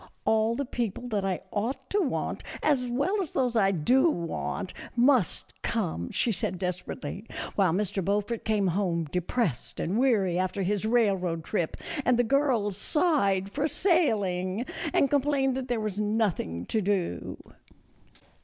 " All the people that I ought to want, as well as those I do want, must come," she said desperately ; while Mr. Beaufort came home depressed and weary after his railroad trip, and the girls sighed for sailing and complained that there was nothing to do.